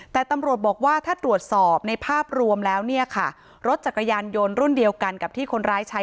แต่ตำรวจบอกว่าถ้าตรวจสอบในภาพรวมแล้วเนี่ยค่ะรถจักรยานยนต์รุ่นเดียวกันกับที่คนร้ายใช้